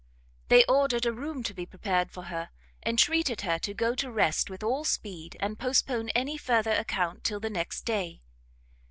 They ordered a room to be prepared for her, entreated her to go to rest with all speed, and postpone any further account till the next day.